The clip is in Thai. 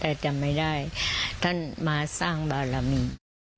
แต่จำไม่ได้ท่านมาสร้างบารมี